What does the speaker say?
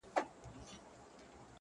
د حاکم تر خزانې پوري به تللې!.